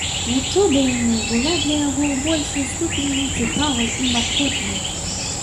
Вучоба ў вну была для яго, у большай ступені, нецікавай і маркотнай.